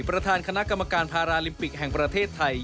ประธานคณะกรรมการพาราลิมปิกแห่งประเทศไทย